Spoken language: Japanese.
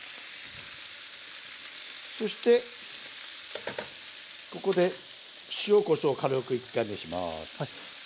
そしてここで塩・こしょう軽く１回目します。